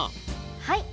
はい。